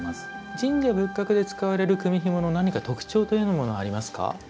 神社仏閣で使われる組みひもの何か特徴というようなものはありますか？